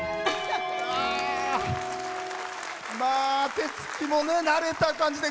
手つきも慣れた感じで。